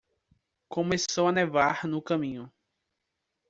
Começou a nevar no caminho.